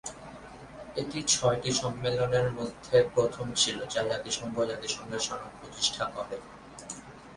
এটি ছয়টি সম্মেলনের মধ্যে প্রথম ছিল যা জাতিসংঘ ও জাতিসংঘের সনদ প্রতিষ্ঠা করে।